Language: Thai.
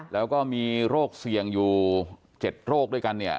แล้วก็มีโรคเสี่ยงอยู่๗โรคด้วยกันเนี่ย